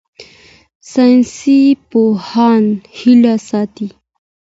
ساینسپوهان هیله ساتي.